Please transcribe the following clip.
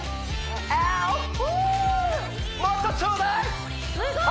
もっとちょうだい！